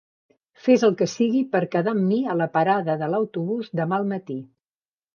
Fes el que sigui per quedar amb mi a la parada de l'autobús demà al matí.